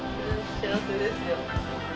幸せですよ！